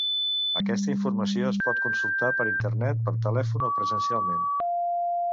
Aquesta informació es pot consultar per Internet, per telèfon o presencialment.